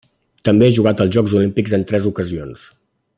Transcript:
També ha jugat els Jocs Olímpics en tres ocasions.